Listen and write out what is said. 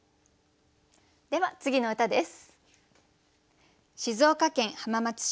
では次の歌です。